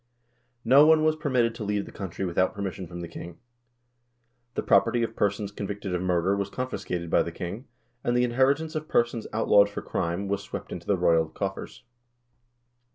No one was permitted to leave the country without permission from the king. The property of persons convicted of murder was confiscated by the king, and the inheritance of persons outlawed for crime was swept into the royal coffers.